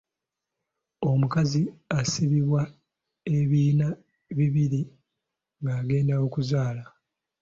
Omukazi asibibwa ebiyina bibiri ng'agenda okuzaala.